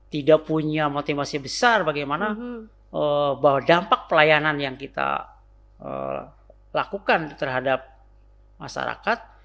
tidak punya motivasi besar bagaimana bahwa dampak pelayanan yang kita lakukan terhadap masyarakat